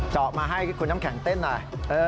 เจาะมาให้คุณน้ำแข็งเต้นหน่อย